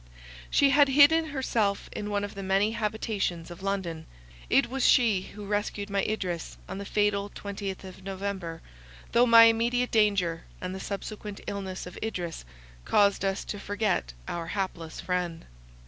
She had hidden herself in one of the many empty habitations of London; it was she who rescued my Idris on the fatal twentieth of November, though my immediate danger, and the subsequent illness of Idris, caused us to forget our hapless friend.